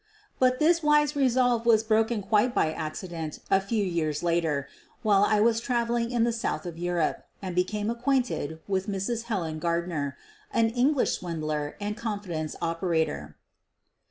But this wise resolve was broken quite by accident a few years later, while I was traveling in the south of Europe and became acquainted with Mrs. Helen Gardner, an English swindler and confidence opera tor.